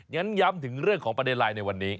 อย่างนั้นย้ำถึงเรื่องของประเด็นไลน์ในวันนี้